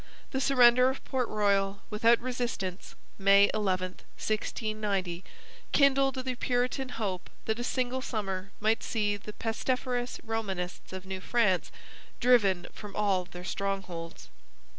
The surrender of Port Royal without resistance (May 11, 1690) kindled the Puritan hope that a single summer might see the pestiferous Romanists of New France driven from all their strongholds.